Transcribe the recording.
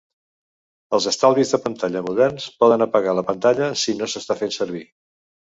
Els estalvis de pantalla moderns poden apagar la pantalla si no s'està fent servir.